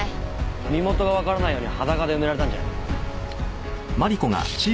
身元がわからないように裸で埋められたんじゃないか？